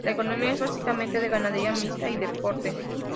La economía es básicamente de ganadería mixta y de corte.